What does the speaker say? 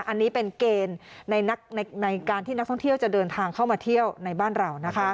อันนี้เป็นเกณฑ์ในการที่นักท่องเที่ยวจะเดินทางเข้ามาเที่ยวในบ้านเรา